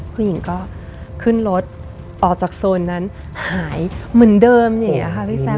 ผู้หญิงก็ขึ้นรถออกจากโซนนั้นหายเหมือนเดิมอย่างนี้ค่ะพี่แซค